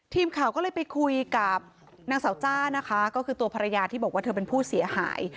ทีมข่าวก็เลยไปคุยกับนางสาวจ้านะคะก็คือตัวภรรยาที่บอกว่าเธอเป็นผู้เสียหาย